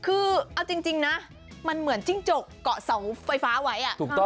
คือเอาจริงนะมันเหมือนจิ้งจกเกาะเสาไฟฟ้าไว้